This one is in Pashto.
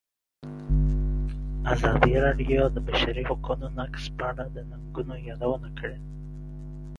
ازادي راډیو د د بشري حقونو نقض په اړه د ننګونو یادونه کړې.